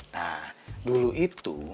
nah dulu itu